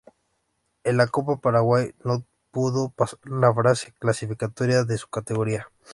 En la Copa Paraguay no pudo pasar la fase clasificatoria de su categoría.